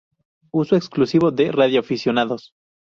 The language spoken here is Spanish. Uso exclusivo de radioaficionados.